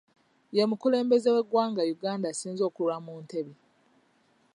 Ye mukulembeze w'eggwanga Uganda asinze okulwa mu ntebe